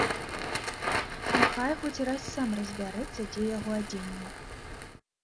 Няхай хоць раз сам разбярэцца, дзе яго адзенне.